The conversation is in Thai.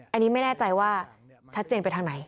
อันนี้ไม่แน่ใจว่าชัดเจนไปทางไหน